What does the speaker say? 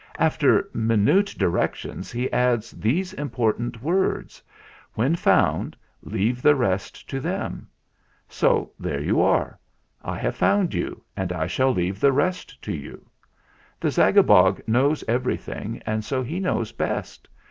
"After minute directions he adds these important words: 'When found, leave the rest to them.' So there you are. I have found you and I shall leave the rest to you. The Zagabog knows everything, and so he knows best.